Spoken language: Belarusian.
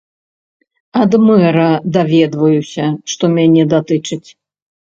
Ад мэра даведваюся, што мяне датычыць.